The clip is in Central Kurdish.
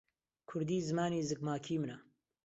کوردی زمانی زگماکیی منە.